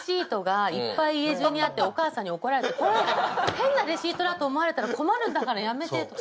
変なレシートだと思われたら困るんだからやめて！とか。